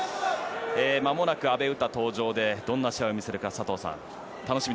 まもなく阿部詩登場でどんな試合を見せるか佐藤さん